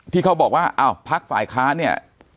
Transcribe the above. ที่เขาบอกว่าอ้าวพักฝ่ายค้านเนี่ย